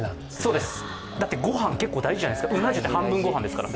そうです、だってごはん結構大事じゃないですか、うな重って半分ごはんですから。